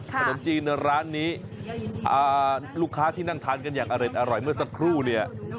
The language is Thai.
ขนมจีนร้านนี้ลูกค้าที่นั่งทานกันอย่างอร่อยเมื่อสักครู่เนี่ย